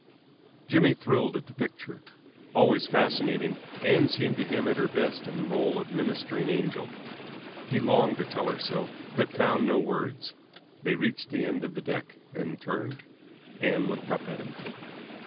Jimmy thrilled at the picture. Always fascinating, Ann seemed to him at her best in the role of ministering angel. He longed to tell her so, but found no words. They reached the end of the deck, and turned. Ann looked up at him.